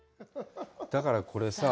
だからこれさ。